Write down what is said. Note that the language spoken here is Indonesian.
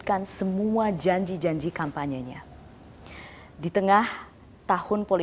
terima kasih pak